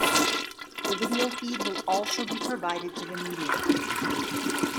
The video feed will also be provided to the media.